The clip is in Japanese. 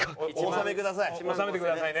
納めてくださいね。